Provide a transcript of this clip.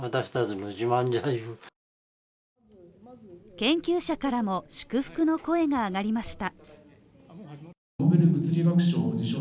研究者からも祝福の声が上がりました。